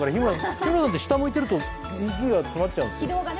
日村さんって下向いちゃうと息が詰まっちゃうんです。